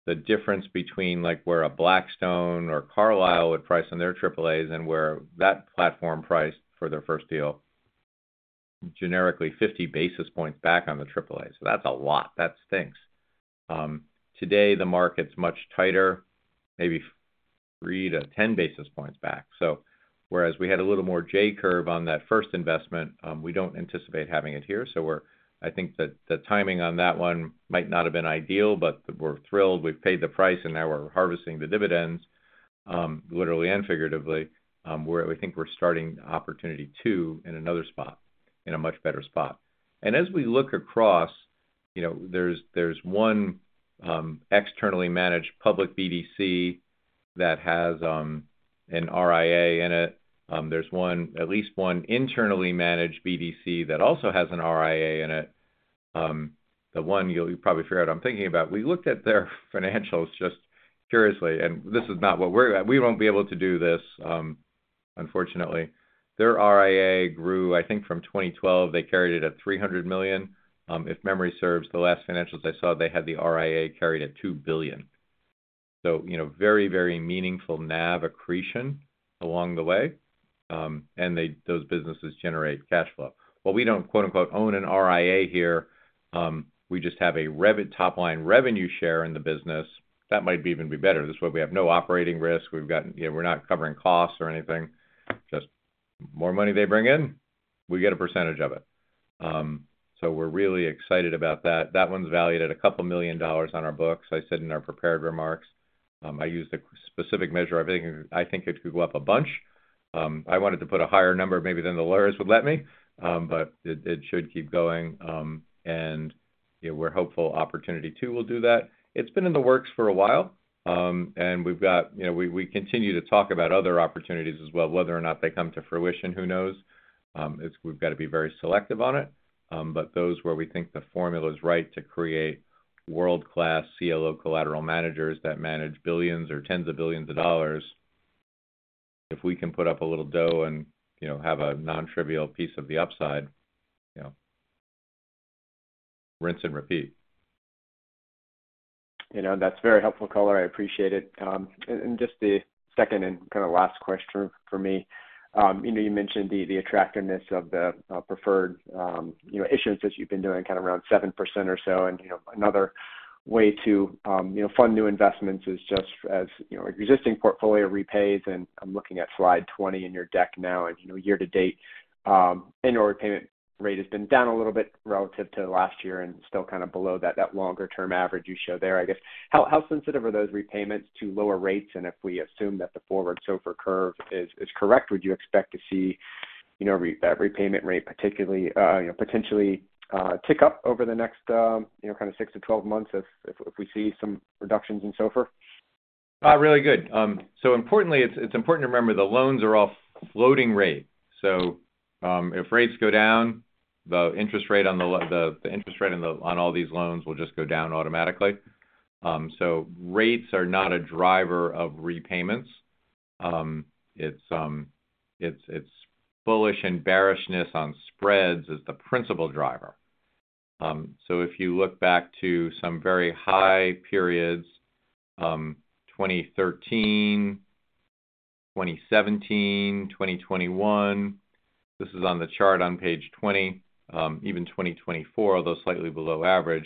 the difference between where a Blackstone or Carlyle would price on their AAAs and where that platform priced for their first deal, generically 50 basis points back on the AAAs. That's a lot. That stinks. Today, the market's much tighter, maybe 3-10 basis points back. Whereas we had a little more J curve on that first investment, we don't anticipate having it here. I think the timing on that one might not have been ideal, but we're thrilled. We've paid the price and now we're harvesting the dividends, literally and figuratively. We think we're starting opportunity two in another spot, in a much better spot. As we look across, there's one externally managed public BDC that has an RIA in it. There's at least one internally managed BDC that also has an RIA in it. The one you'll probably figure out I'm thinking about. We looked at their financials just curiously, and this is not what we're at. We won't be able to do this, unfortunately. Their RIA grew, I think, from 2012. They carried it at $300 million. If memory serves, the last financials I saw, they had the RIA carried at $2 billion. Very, very meaningful NAV accretion along the way. Those businesses generate cash flow. We don't quote unquote own an RIA here. We just have a top-line revenue share in the business. That might even be better. This way, we have no operating risk. We're not covering costs or anything. Just more money they bring in, we get a percentage of it. We're really excited about that. That one's valued at a couple million dollars on our books. I said in our prepared remarks, I used a specific measure. I think it could go up a bunch. I wanted to put a higher number maybe than the lawyers would let me, but it should keep going. We're hopeful opportunity two will do that. It's been in the works for a while. We continue to talk about other opportunities as well, whether or not they come to fruition, who knows? We've got to be very selective on it. Those where we think the formula is right to create world-class CLO collateral managers that manage billions or tens of billions of dollars, if we can put up a little dough and have a non-trivial piece of the upside, rinse and repeat. That's a very helpful caller. I appreciate it. Just the second and kind of last question for me, you mentioned the attractiveness of the preferred issuance that you've been doing kind of around 7% or so. Another way to fund new investments is just as existing portfolio repays. I'm looking at slide 20 in your deck now. Year-to-date annual repayment rate has been down a little bit relative to last year and still kind of below that longer-term average you show there. I guess, how sensitive are those repayments to lower rates? If we assume that the forward SOFR curve is correct, would you expect to see that repayment rate particularly potentially tick up over the next kind of six to twelve months if we see some reductions in SOFR? Really good. Importantly, it's important to remember the loans are all floating rate. If rates go down, the interest rate on all these loans will just go down automatically. Rates are not a driver of repayments. It's bullish and bearishness on spreads as the principal driver. If you look back to some very high periods, 2013, 2017, 2021, this is on the chart on page 20, even 2024, although slightly below average,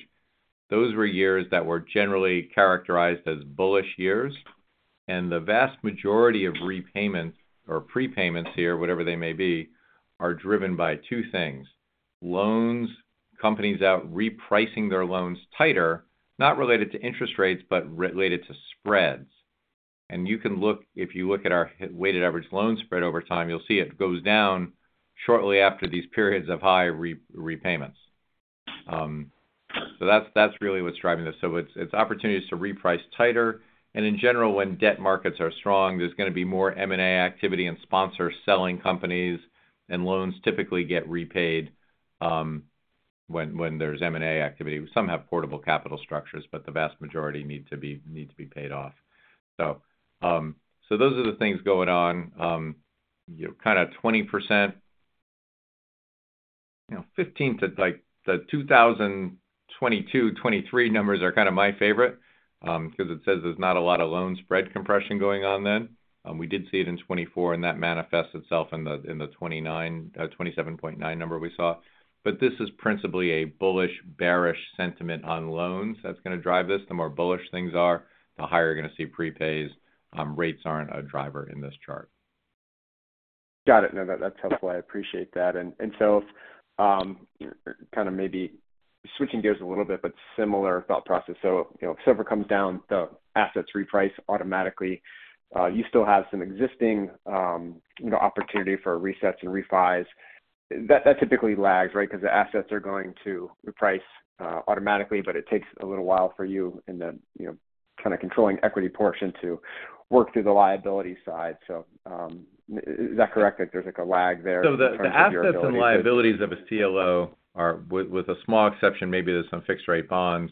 those were years that were generally characterized as bullish years. The vast majority of repayments or prepayments here, whatever they may be, are driven by two things: loans, companies out repricing their loans tighter, not related to interest rates, but related to spreads. If you look at our weighted average loan spread over time, you'll see it goes down shortly after these periods of high repayments. That's really what's driving this. It's opportunities to reprice tighter. In general, when debt markets are strong, there's going to be more M&A activity and sponsor selling companies, and loans typically get repaid when there's M&A activity. Some have portable capital structures, but the vast majority need to be paid off. Those are the things going on. Kind of 20%, 15% to like the 2022, 2023 numbers are kind of my favorite because it says there's not a lot of loan spread compression going on then. We did see it in 2024, and that manifests itself in the 27.9% number we saw. This is principally a bullish bearish sentiment on loans that's going to drive this. The more bullish things are, the higher you're going to see prepays. Rates aren't a driver in this chart. Got it. No, that's helpful. I appreciate that. Kind of maybe switching gears a little bit, but similar thought process. If SOFR comes down, the assets reprice automatically. You still have some existing opportunity for resets and refis. That typically lags, right? Because the assets are going to reprice automatically, but it takes a little while for you in the kind of controlling equity portion to work through the liability side. Is that correct? Like there's a lag there. The assets and liabilities of a CLO are, with a small exception, maybe there's some fixed-rate bonds.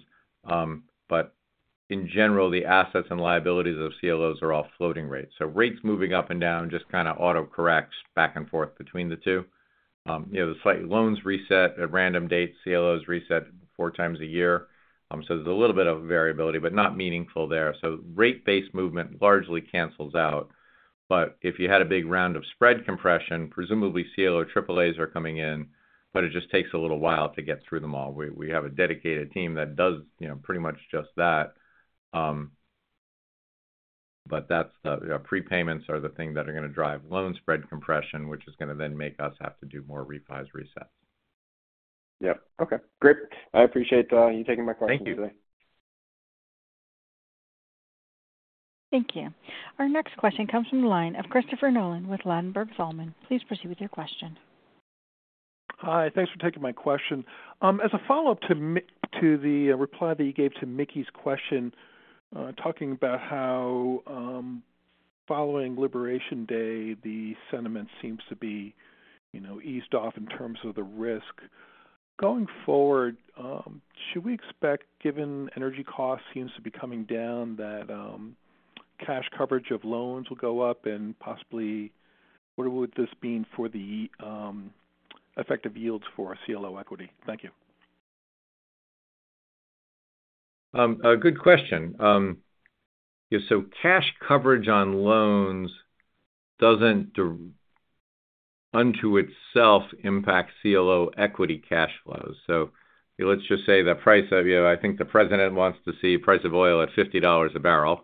In general, the assets and liabilities of CLOs are all floating rates. Rates moving up and down just kind of autocorrects back and forth between the two. The slight loans reset at random dates, CLOs reset four times a year. There's a little bit of variability, but not meaningful there. Rate-based movement largely cancels out. If you had a big round of spread compression, presumably CLO AAAs are coming in, but it just takes a little while to get through them all. We have a dedicated team that does pretty much just that. The prepayments are the thing that are going to drive loan spread compression, which is going to then make us have to do more refis, resets. Okay. Great. I appreciate you taking my question today. Thank you. Thank you. Our next question comes from the line of Christopher Nolan with Ladenburg Thalmann. Please proceed with your question. Hi. Thanks for taking my question. As a follow-up to the reply that you gave to Mickey's question, talking about how following Liberation Day, the sentiment seems to be eased off in terms of the risk. Going forward, should we expect, given energy costs seem to be coming down, that cash coverage of loans will go up? Possibly, what would this mean for the effective yields for CLO equity? Thank you. Good question. Cash coverage on loans does not unto itself impact CLO equity cash flows. Let's just say the price of, I think the president wants to see the price of oil at $50 a barrel.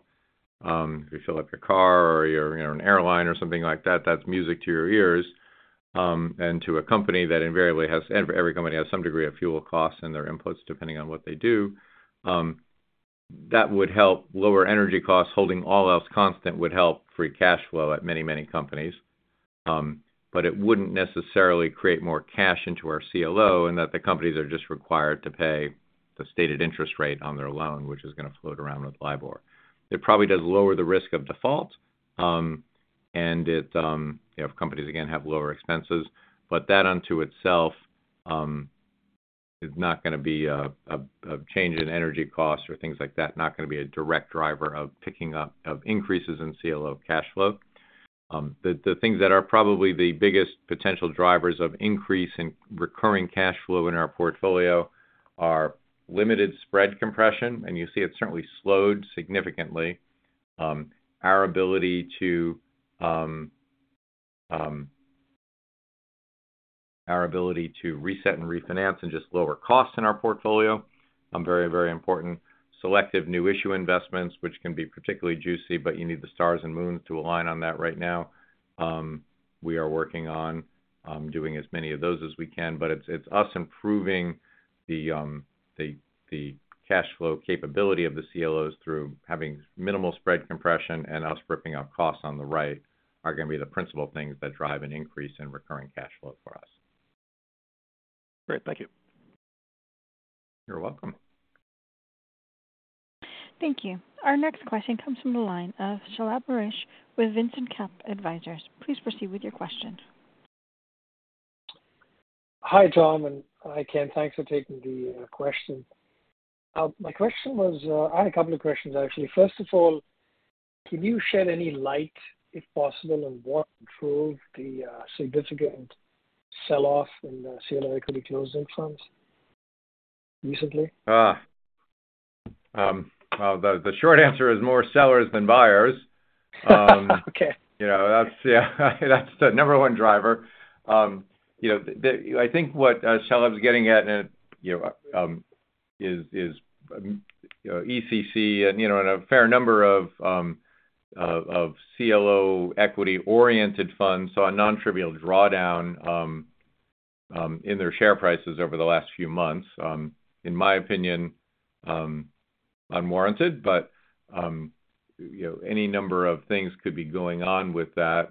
If you fill up your car or you're on an airline or something like that, that's music to your ears. To a company that invariably has, every company has some degree of fuel costs in their inputs depending on what they do, that would help lower energy costs. Holding all else constant would help free cash flow at many, many companies. It would not necessarily create more cash into our CLO in that the companies are just required to pay the stated interest rate on their loan, which is going to float around with LIBOR. It probably does lower the risk of default if companies, again, have lower expenses, but that unto itself is not going to be a change in energy costs or things like that, not going to be a direct driver of picking up of increases in CLO cash flow. The things that are probably the biggest potential drivers of increase in recurring cash flow in our portfolio are limited spread compression. You see it's certainly slowed significantly. Our ability to reset and refinance and just lower costs in our portfolio are very, very important. Selective new issue investments, which can be particularly juicy, but you need the stars and moons to align on that right now. We are working on doing as many of those as we can, but it's us improving the cash flow capability of the CLOs through having minimal spread compression and us ripping out costs on the right are going to be the principal things that drive an increase in recurring cash flow for us. Great, thank you. You're welcome. Thank you. Our next question comes from the line of [Shalab Barish] with [Vincent Camp Advisors]. Please proceed with your question. Hi, Tom. Hi, Ken. Thanks for taking the question. My question was, I had a couple of questions, actually. First of all, can you shed any light, if possible, on what drove the significant sell-off in the CLO equity closed-end funds recently? The short answer is more sellers than buyers. Okay. That's the number one driver. I think what [Shalab's] getting at is ECC and a fair number of CLO equity-oriented funds saw a non-trivial drawdown in their share prices over the last few months. In my opinion, unwarranted, but any number of things could be going on with that.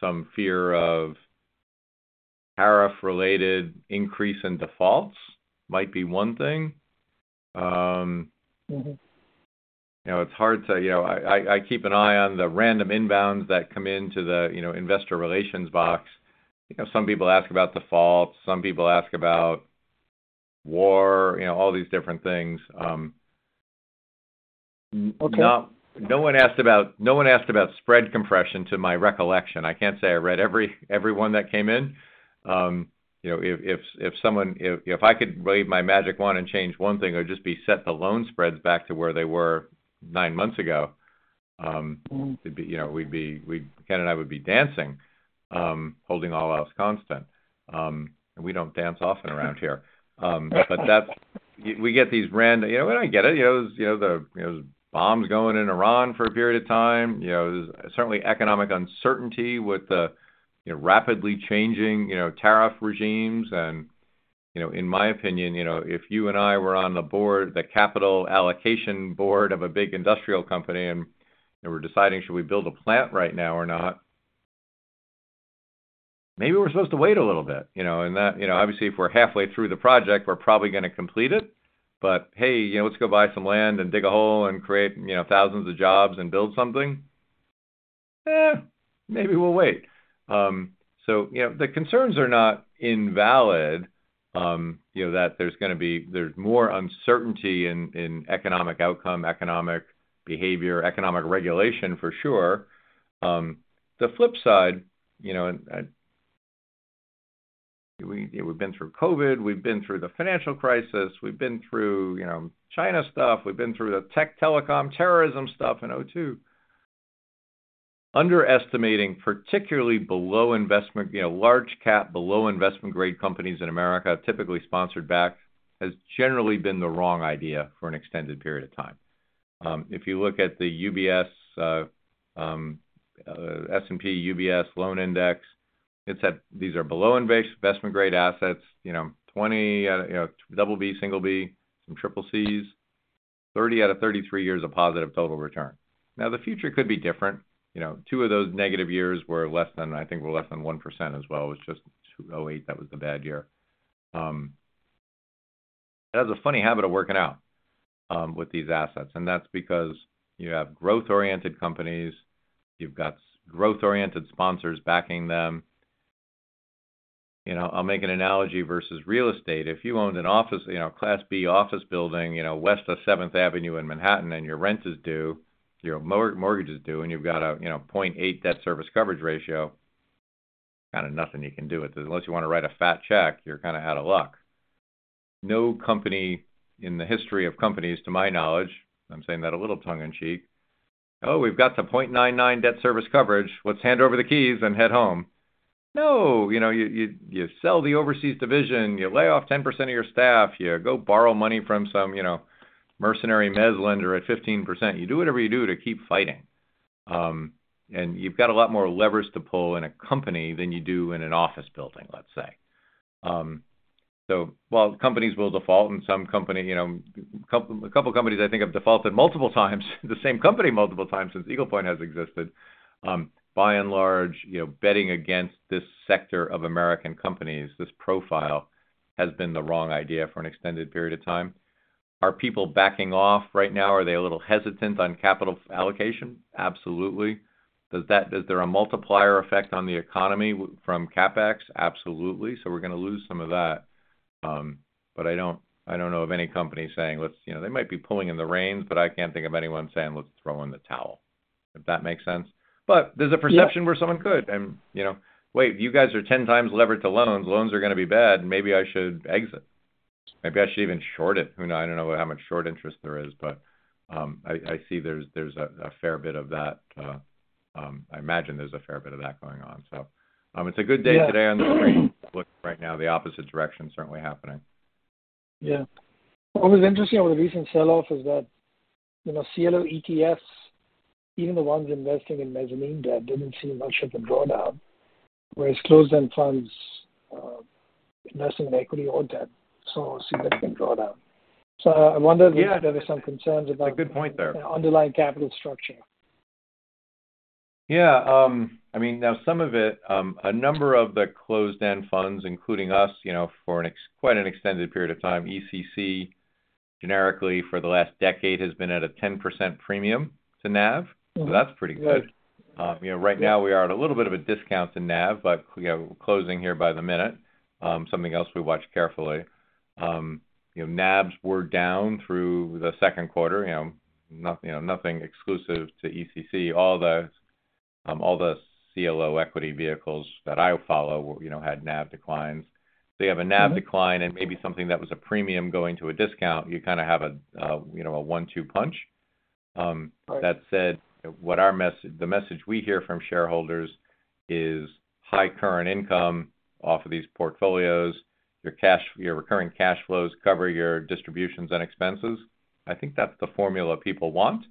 Some fear of tariff-related increase in defaults might be one thing. It's hard to, you know, I keep an eye on the random inbounds that come into the investor relations box. Some people ask about defaults. Some people ask about war, all these different things. Okay. No one asked about spread compression to my recollection. I can't say I read every one that came in. If someone, if I could wave my magic wand and change one thing, it would just be set the loan spreads back to where they were nine months ago. Ken and I would be dancing, holding all else constant. We don't dance often around here. We get these random, you know, we don't get it. The bombs going in Iran for a period of time. There's certainly economic uncertainty with the rapidly changing tariff regimes. In my opinion, if you and I were on the board, the capital allocation board of a big industrial company, and we're deciding should we build a plant right now or not, maybe we're supposed to wait a little bit. Obviously, if we're halfway through the project, we're probably going to complete it. Hey, let's go buy some land and dig a hole and create thousands of jobs and build something. Maybe we'll wait. The concerns are not invalid that there's going to be, there's more uncertainty in economic outcome, economic behavior, economic regulation for sure. The flip side, we've been through COVID. We've been through the financial crisis. We've been through China stuff. We've been through the tech telecom terrorism stuff in 2002. Underestimating particularly below investment, large cap, below investment grade companies in America, typically sponsor backed, has generally been the wrong idea for an extended period of time. If you look at the S&P/LSTA Leveraged Loan Index, these are below investment grade assets, 20 out of double B, single B, some triple Cs, 30 out of 33 years of positive total return. The future could be different. Two of those negative years were less than, I think, were less than 1% as well. It was just 2008. That was the bad year. It has a funny habit of working out with these assets. That's because you have growth-oriented companies. You've got growth-oriented sponsors backing them. I'll make an analogy versus real estate. If you owned an office, a Class B office building, west of 7th Avenue in Manhattan, and your rent is due, your mortgage is due, and you've got a 0.8 debt service coverage ratio, kind of nothing you can do with it unless you want to write a fat check. You're kind of out of luck. No company in the history of companies, to my knowledge, I'm saying that a little tongue in cheek, oh, we've got the 0.99 debt service coverage. Let's hand over the keys and head home. No, you sell the overseas division, you lay off 10% of your staff, you go borrow money from some mercenary mezz lender at 15%. You do whatever you do to keep fighting. You've got a lot more levers to pull in a company than you do in an office building, let's say. While companies will default, and some company, you know, a couple of companies I think have defaulted multiple times, the same company multiple times since Eagle Point has existed, by and large, betting against this sector of American companies, this profile has been the wrong idea for an extended period of time. Are people backing off right now? Are they a little hesitant on capital allocation? Absolutely. Is there a multiplier effect on the economy from CapEx? Absolutely. We're going to lose some of that. I don't know of any company saying, they might be pulling in the reins, but I can't think of anyone saying, let's throw in the towel, if that makes sense. There's a perception where someone could, and you know, wait, you guys are 10 times levered to loans. Loans are going to be bad. Maybe I should exit. Maybe I should even short it. I don't know how much short interest there is, but I see there's a fair bit of that. I imagine there's a fair bit of that going on. It's a good day today on the screen. Looking right now, the opposite direction is certainly happening. Yeah. What was interesting with the recent sell-off is that, you know, CLO ETFs, even the ones investing in mezzanine debt, didn't see much of the drawdown, whereas closed-end funds investing in equity or debt saw a significant drawdown. I wonder if there are some concerns about the underlying capital structure. Yeah. I mean, now some of it, a number of the closed-end funds, including us, for quite an extended period of time, ECC generically for the last decade has been at a 10% premium to NAV. That's pretty good. Right now we are at a little bit of a discount to NAV, but closing here by the minute, something else we watch carefully. NAVs were down through the second quarter. Nothing exclusive to ECC. All the CLO equity vehicles that I follow had NAV declines. They have a NAV decline and maybe something that was a premium going to a discount. You kind of have a one-two punch. That said, the message we hear from shareholders is high current income off of these portfolios. Your recurring cash flows cover your distributions and expenses. I think that's the formula people want.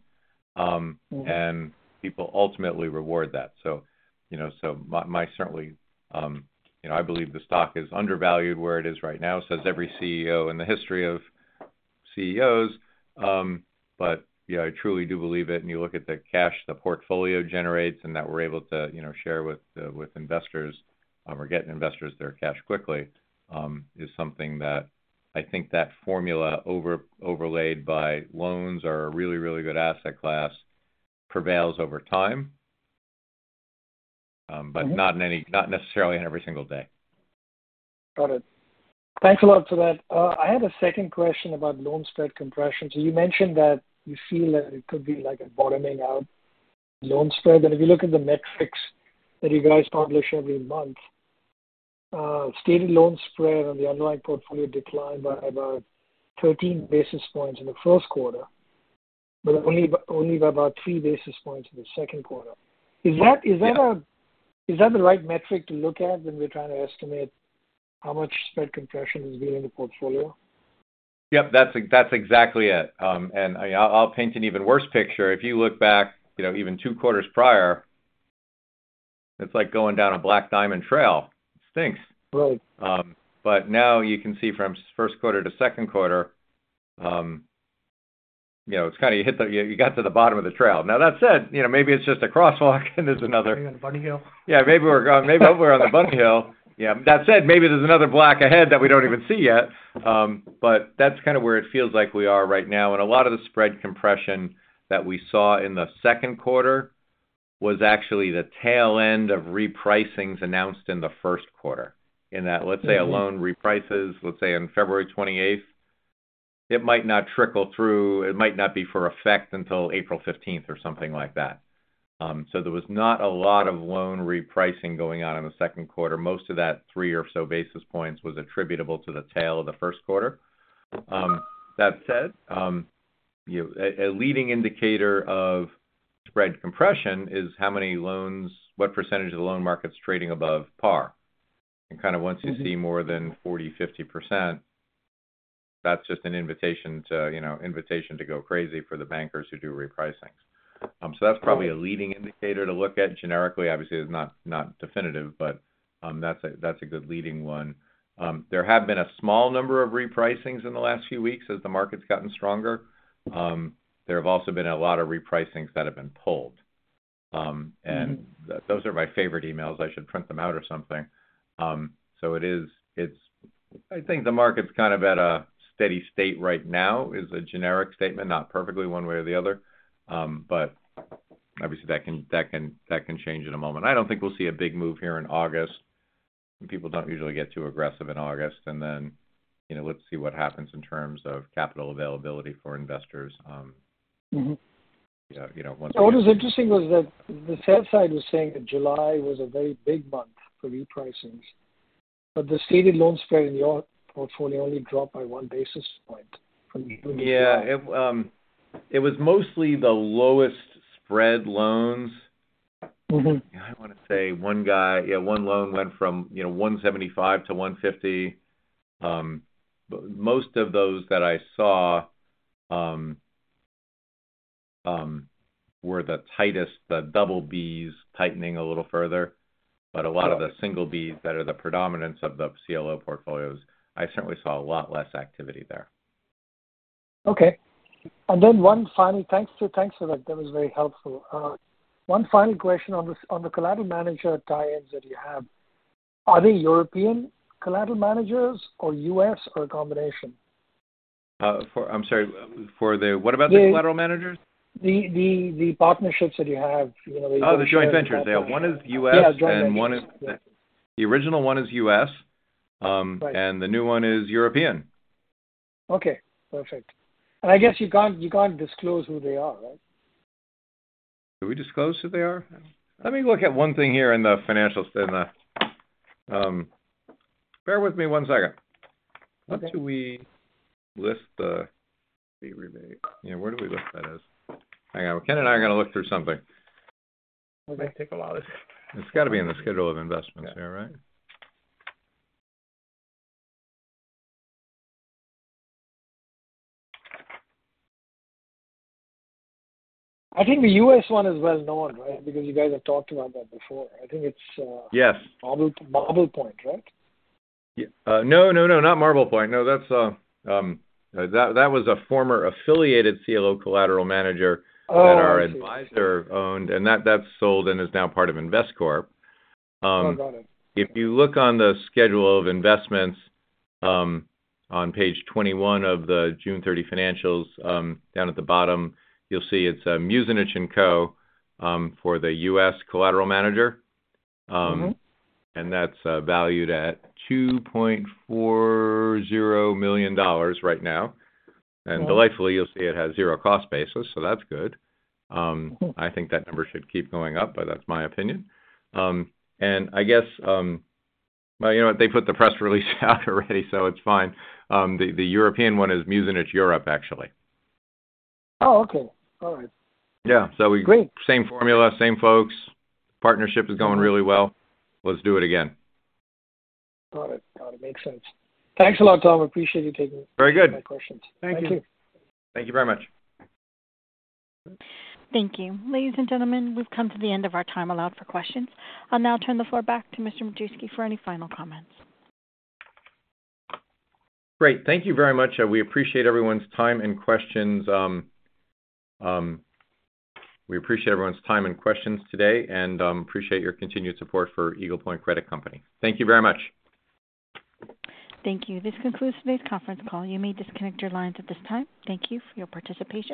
People ultimately reward that. I certainly, I believe the stock is undervalued where it is right now, says every CEO in the history of CEOs. I truly do believe it. You look at the cash the portfolio generates and that we're able to share with investors or get investors their cash quickly is something that I think that formula overlaid by loans or a really, really good asset class prevails over time, but not necessarily in every single day. Got it. Thanks a lot for that. I had a second question about loan spread compression. You mentioned that you feel it could be like a bottoming out loan spread. If you look at the metrics that you guys publish every month, stated loan spread on the underlying portfolio declined by about 13 basis points in the first quarter, but only by about 3 basis points in the second quarter. Is that the right metric to look at when we're trying to estimate how much spread compression is being in the portfolio? Yep, that's exactly it. I'll paint an even worse picture. If you look back even two quarters prior, it's like going down a black diamond trail. It stinks. Right. Now you can see from first quarter to second quarter, you know, it's kind of you got to the bottom of the trail. That said, you know, maybe it's just a crosswalk and there's another. Maybe on a bunny hill. Yeah, maybe we're going maybe up on the bunny hill. That said, maybe there's another black ahead that we don't even see yet. That's kind of where it feels like we are right now. A lot of the spread compression that we saw in the second quarter was actually the tail end of repricings announced in the first quarter. In that, let's say a loan reprices, let's say on February 28, it might not trickle through. It might not be for effect until April 15 or something like that. There was not a lot of loan repricing going on in the second quarter. Most of that three or so basis points was attributable to the tail of the first quarter. That said, a leading indicator of spread compression is how many loans, what % of the loan market's trading above par. Once you see more than 40%, 50%, that's just an invitation to go crazy for the bankers who do repricings. That's probably a leading indicator to look at generically. Obviously, it's not definitive, but that's a good leading one. There have been a small number of repricings in the last few weeks as the market's gotten stronger. There have also been a lot of repricings that have been pulled. Those are my favorite emails. I should print them out or something. I think the market's kind of at a steady state right now as a generic statement, not perfectly one way or the other. Obviously, that can change in a moment. I don't think we'll see a big move here in August. People don't usually get too aggressive in August. Let's see what happens in terms of capital availability for investors. What was interesting was that the sales side was saying that July was a very big month for repricings, but the stated loan spread in the portfolio only dropped by 1 basis point. Yeah, it was mostly the lowest spread loans. I want to say one guy, yeah, one loan went from 175 to 150. Most of those that I saw were the tightest, the double Bs tightening a little further. A lot of the single Bs that are the predominance of the CLO portfolios, I certainly saw a lot less activity there. Okay. Thanks for that. That was very helpful. One final question on the collateral manager tie-ins that you have. Are they European collateral managers or U.S. or a combination? I'm sorry. What about the collateral managers? The partnerships that you have. Oh, the joint ventures. They have one is U.S. and one is the original one is U.S. and the new one is European. Okay, perfect. I guess you can't disclose who they are, right? Do we disclose who they are? Let me look at one thing here in the financials. What do we list the... Where do we list that as? Ken and I are going to look through something. Okay. It's got to be in the schedule of investment there, right? I think the U.S. one is well known, right? Because you guys have talked about that before. I think it's Marble Point, right? No, no, no, not Marble Point. That was a former affiliated CLO collateral manager that our advisor owned. That's sold and is now part of InvestCorp. If you look on the schedule of investments on page 21 of the June 30 financials, down at the bottom, you'll see it's Musenich & Co. for the U.S. collateral manager. That's valued at $2.40 million right now. Delightfully, you'll see it has zero cost basis. That's good. I think that number should keep going up, but that's my opinion. They put the press release out already, so it's fine. The European one is Musenich Europe, actually. Oh, okay. All right. Yeah, same formula, same folks. Partnership is going really well. Let's do it again. Got it. Makes sense. Thanks a lot, Tom. Appreciate you taking my questions. Thank you. Thank you very much. Thank you. Ladies and gentlemen, we've come to the end of our time allowed for questions. I'll now turn the floor back to Mr. Majewski for any final comments. Great. Thank you very much. We appreciate everyone's time and questions today and appreciate your continued support for Eagle Point Credit Company. Thank you very much. Thank you. This concludes today's conference call. You may disconnect your lines at this time. Thank you for your participation.